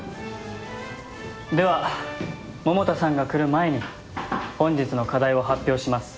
では桃田さんが来る前に本日の課題を発表します。